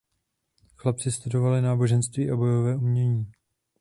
Chlapci studovali náboženství a bojové umění.